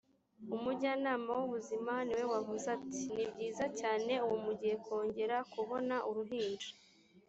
umujyanama w ubuzima niwe wavuze ati nibyiza cyane ubu mugiye kongera kubona uruhinja